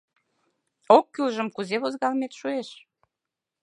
— Оккӱлжым кузе возгалымет шуэш?